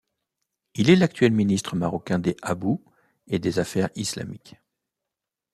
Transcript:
Il est l'actuel ministre marocain des Habous et des Affaires islamiques.